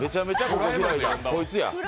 こいつや。